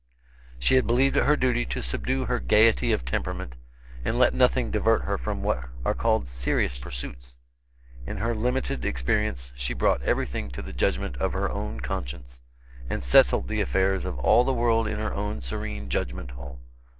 She had believed it her duty to subdue her gaiety of temperament, and let nothing divert her from what are called serious pursuits: In her limited experience she brought everything to the judgment of her own conscience, and settled the affairs of all the world in her own serene judgment hall.